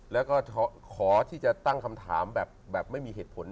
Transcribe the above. แล้วก็ขอที่จะตั้งคำถามแบบไม่มีเหตุผล